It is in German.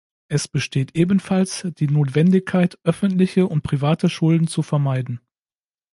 Es besteht ebenfalls die Notwendigkeit, öffentliche und private Schulden zu vermeiden.